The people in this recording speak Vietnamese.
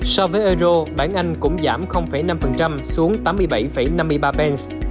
so với eur bảng anh cũng giảm năm xuống tám mươi bảy năm mươi ba pence